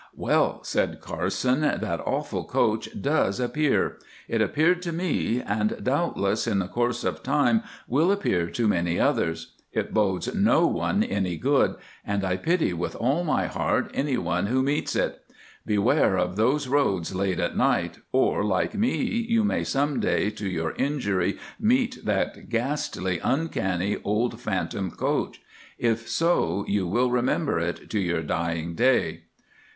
"Well," said Carson, "that awful coach does appear; it appeared to me, and, doubtless, in the course of time will appear to many others. It bodes no one any good, and I pity with all my heart anyone who meets it. Beware of those roads late at night, or, like me, you may some day to your injury meet that ghastly, uncanny, old phantom coach. If so, you will remember it to your dying day."